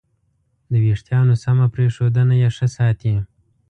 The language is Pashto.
د وېښتیانو سمه پرېښودنه یې ښه ساتي.